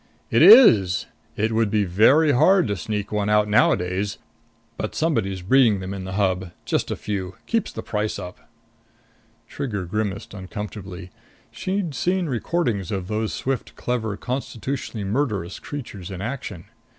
"It is. It would be very hard to sneak one out nowadays. But somebody's breeding them in the Hub. Just a few. Keeps the price up." Trigger grimaced uncomfortably. She'd seen recordings of those swift, clever, constitutionally murderous creatures in action.